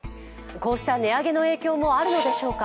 こうした値上げの影響もあるのでしょうか。